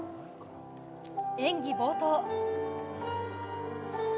演技冒頭。